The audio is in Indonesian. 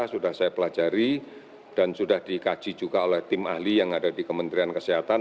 sudah saya pelajari dan sudah dikaji juga oleh tim ahli yang ada di kementerian kesehatan